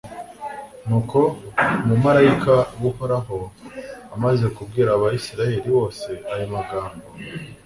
nuko umumalayika w'uhoraho amaze kubwira abayisraheli bose ayo magambo